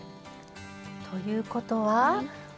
ということは。